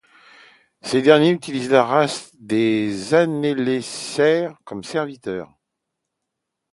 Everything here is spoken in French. Ces derniers utilisait la race des annélicères comme serviteurs.